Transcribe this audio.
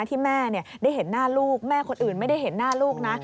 ที่แม่ได้เห็นหน้าลูกแม่คนอื่นไม่ได้เห็นหน้าลูกนะ